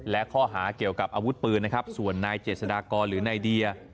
และข้อหาเกี่ยวกับอาวุธปืนนะครับส่วนนายเจษฎากรหรือนายเดีย